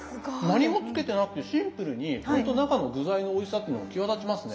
何もつけてなくてシンプルにほんと中の具材のおいしさってのが際立ちますね。